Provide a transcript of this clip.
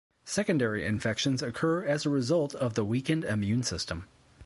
Secondary infections occur as a result of the weakened immune system.